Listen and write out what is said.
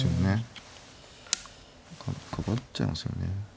かかっちゃいますよね。